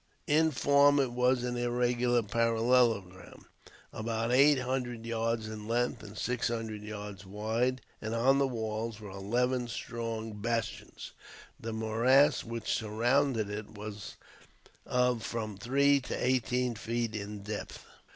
In form it was an irregular parallelogram, about eight hundred yards in length and six hundred yards wide, and on the walls were eleven strong bastions. The morass which surrounded it was of from three to eighteen feet in depth.